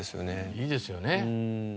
いいですよね。